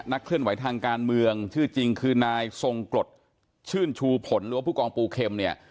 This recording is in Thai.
เคลื่อนไหวทางการเมืองชื่อจริงคือนายทรงกรดชื่นชูผลหรือว่าผู้กองปูเข็มเนี่ย